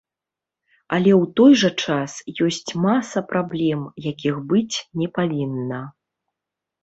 Але ў той жа час ёсць маса праблем, якіх быць не павінна.